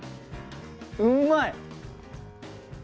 うまい？